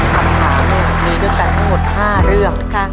คำถามมีด้วยกันทั้งหมด๕เรื่อง